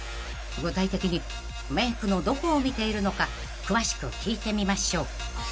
［具体的にメイクのどこを見ているのか詳しく聞いてみましょう］